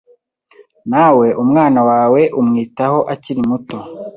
na we umwana wawe umwitaho akiri muto,